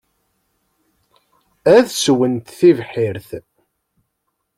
Ad sswent tibḥirt.